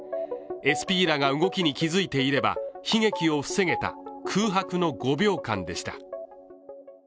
ＳＰらが動きに気づいていれば、悲劇を防げた空白の５秒間でした。